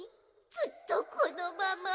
ずっとこのまま？